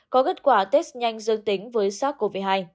có kết quả test nhanh dương tính với sars cov hai